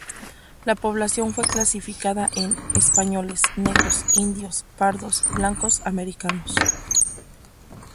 La población fue clasificada en: españoles, negros, indios, pardos, blancos americanos.